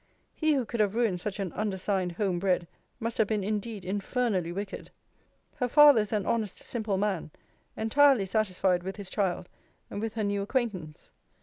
He who could have ruined such an undersigned home bred, must have been indeed infernally wicked. Her father is an honest simple man; entirely satisfied with his child, and with her new acquaintance.